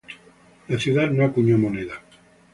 La ciudad no acuñó moneda.